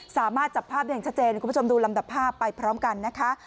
สามารถจับภาพได้อย่างชัดเจนคุณผู้ชมดูลำดับภาพไปพร้อมกันนะคะ